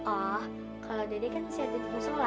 oh kalau dede kan siadat musola